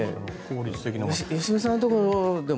良純さんのところは。